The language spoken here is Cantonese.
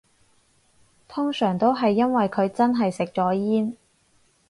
通常都係因為佢真係食咗煙